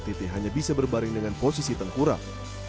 titi hanya bisa berbaring dengan posisi tengkurang